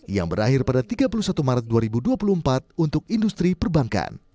yang berakhir pada tiga puluh satu maret dua ribu dua puluh empat untuk industri perbankan